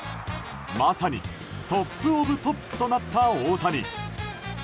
まさにトップオブトップとなった大谷。